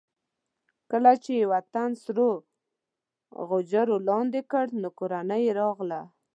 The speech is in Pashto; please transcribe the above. کله چې یې وطن سرو غجرو لاندې کړ نو کورنۍ یې راغله.